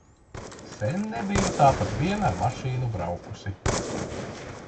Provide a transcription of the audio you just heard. Sen nebiju tāpat vien ar mašīnu braukusi.